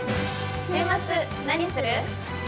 週末何する？